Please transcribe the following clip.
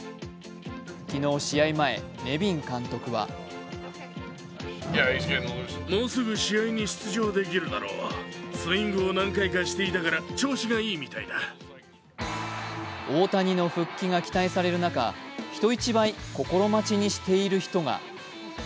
昨日試合前、ネビン監督は大谷の復帰が期待される中人一倍、心待ちにしている人が。